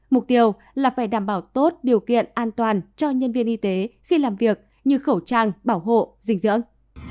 mục tiêu là phải đảm bảo tốt điều kiện an toàn cho nhân viên y tế khi làm việc như khẩu trang bảo hộ dinh dưỡng